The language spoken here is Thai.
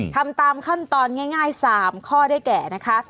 ทำตามขั้นตอนง่าย๓ข้อได้แก่นะคะ